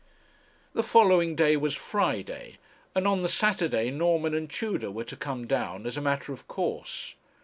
The following day was Friday, and on the Saturday Norman and Tudor were to come down as a matter of course.